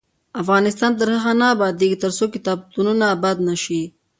افغانستان تر هغو نه ابادیږي، ترڅو کتابتونونه اباد نشي.